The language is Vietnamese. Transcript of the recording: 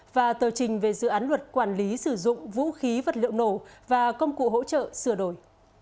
và tờ trình về dự án luật quản lý sử dụng vũ khí vật liệu nổ và công cụ hỗ trợ sửa đổi